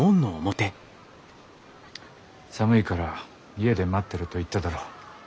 寒いから家で待ってろと言っただろう？